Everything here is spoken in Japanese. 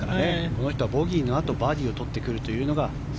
この人はボギーのあとバーディーを取ってくるというのが。